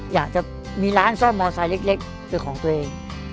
อยากจะมีร้านซ่อมมอไซค์เล็กเป็นของตัวเอง